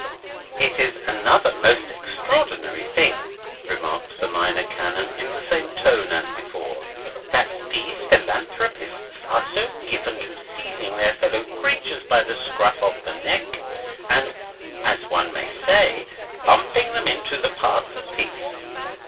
'" "And it is another most extraordinary thing," remarked the Minor Canon in the same tone as before, "that these philanthropists are so given to seizing their fellow creatures by the scruff of the neck, and (as one may say) bumping them into the paths of peace.